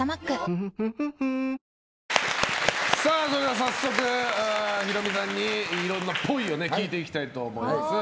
早速、ヒロミさんにいろいろな、っぽいを聞いていきたいと思います。